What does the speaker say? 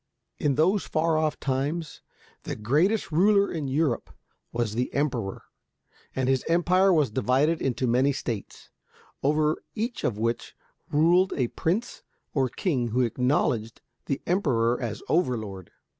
In those far off times the greatest ruler in Europe was the Emperor, and his empire was divided into many states, over each of which ruled a prince or king who acknowledged the Emperor as overlord.